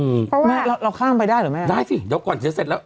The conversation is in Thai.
อืมแม่เราเราข้ามไปได้หรือแม่ได้สิเดี๋ยวก่อนจะเสร็จแล้ว